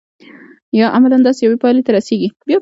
یا عملاً داسې یوې پایلې ته رسیږي.